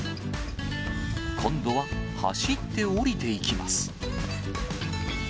今度は走って下りていきます。